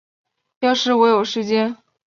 要是我有时间